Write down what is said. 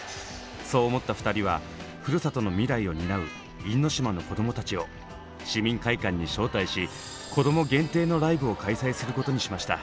そう思った２人はふるさとの未来を担う因島の子どもたちを市民会館に招待し子ども限定のライブを開催することにしました。